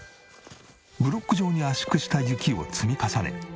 ブロック状に圧縮した雪を積み重ね